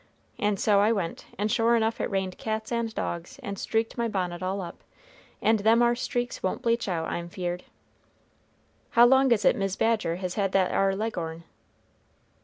And so I went, and sure enough it rained cats and dogs, and streaked my bonnet all up; and them ar streaks won't bleach out, I'm feared." "How long is it Mis' Badger has had that ar leg'orn?"